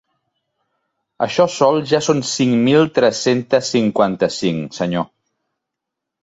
Això sol ja són cinc mil tres-centes cinquanta-cinc, senyor.